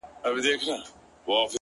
اوس مي ذهن كي دا سوال د چا د ياد،